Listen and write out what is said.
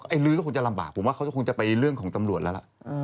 ลื้อก็คงจะลำบากผมว่าเขาก็คงจะไปเรื่องของตำรวจแล้วล่ะ